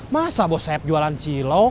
masa bos saya jualan cilok